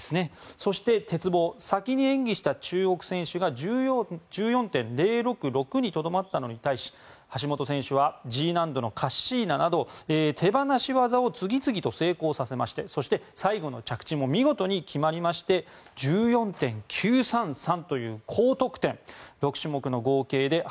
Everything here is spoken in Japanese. そして、鉄棒先に演技した中国選手が１４．０６６にとどまったのに対し橋本選手はＧ難度のカッシーナなど手放し技を次々と成功させましてそして、最後の着地も見事に決まりまして１４．９３３という高得点。